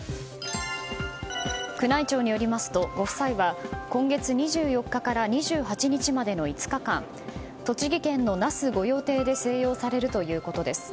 宮内庁によりますとご夫妻は今月２４日から２８日までの５日間栃木県の那須御用邸で静養されるということです。